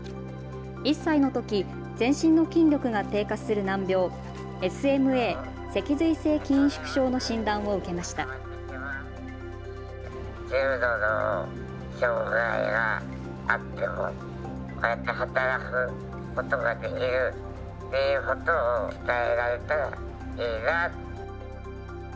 １歳のとき全身の筋力が低下する難病、ＳＭＡ・脊髄性筋萎縮症の診断を受けました。